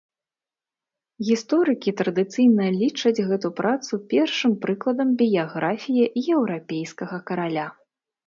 Гісторыкі традыцыйна лічаць гэту працу першым прыкладам біяграфіі еўрапейскага караля.